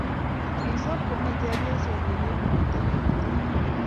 kisob komye chepyosenyin eng koroito ne kitinye